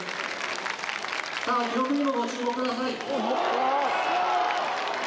記録にもご注目ください。